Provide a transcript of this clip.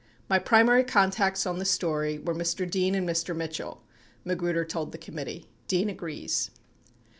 "My primary contacts on the story were Mr. Dean and Mr. Mitchell," Magruder told the committee. 96 Dean agrees.